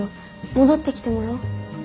戻ってきてもらおう。